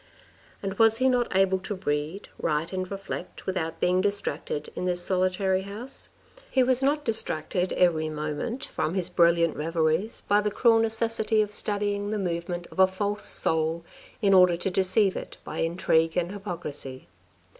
And was he not able to read, write and reflect, without being distracted, in this solitary house ? He was not distracted every moment from his brilliant reveries by the cruel necessity of studying the movement of a false soul in order to deceive it by intrigue and hypocrisy.